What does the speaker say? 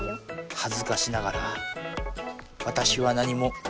はずかしながらわたしは何も。